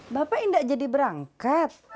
bapak indah jadi berangkat